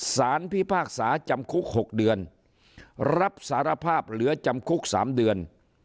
สารพิพากษาจำคุก๖เดือนรับสารภาพเหลือจำคุก๓เดือน